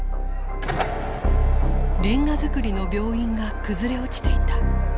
煉瓦造りの病院が崩れ落ちていた。